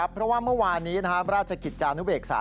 เพราะว่าเมื่อวานนี้ราชกิจจานุเวกษา